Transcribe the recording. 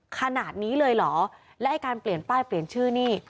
ขนาดนี้เลยเหรอและไอ้การเปลี่ยนป้ายเปลี่ยนชื่อนี่